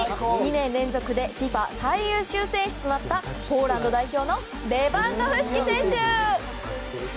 ２年連続でＦＩＦＡ最優秀選手となったポーランド代表のレバンドフスキ選手。